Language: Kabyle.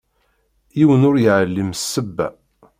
Yiwen ur yeεlim s ssebba.